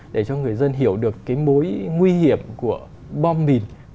để cho người dân hiểu được cái mối nguy hiểm của bom mìn